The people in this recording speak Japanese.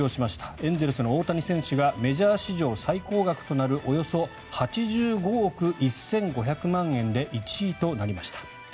エンゼルスの大谷選手がメジャー史上最高額となるおよそ８５億１５００万円で１位となりました。